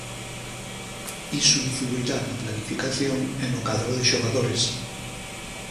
Iso influirá na planificación e no cadro de xogadores.